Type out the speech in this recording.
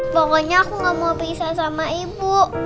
pokoknya aku gak mau pisah sama ibu